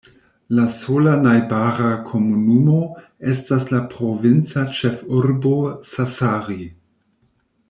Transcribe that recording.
La sola najbara komunumo estas la provinca ĉefurbo Sassari.